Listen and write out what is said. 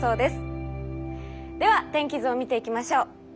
では天気図を見ていきましょう。